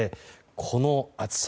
この厚さ。